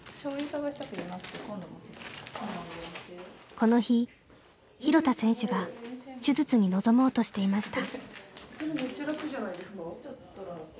この日廣田選手が手術に臨もうとしていました。